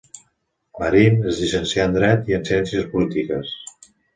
Marín es llicencià en dret i en ciències polítiques.